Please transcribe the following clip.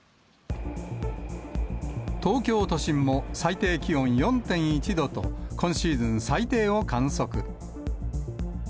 東京都心も最低気温４．１度と、今シーズン最低を観測。